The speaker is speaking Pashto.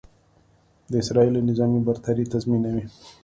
د اسرائیلو نظامي برتري تضیمنوي.